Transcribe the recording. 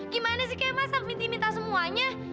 gimana sih kek mas minta minta semuanya